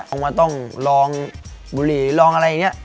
คงมาต้องลองบุหรี่ลองอะไรอย่างนี้